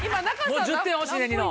１０点欲しいねニノ。